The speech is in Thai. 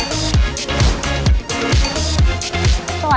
ดีเย็นธรรมดา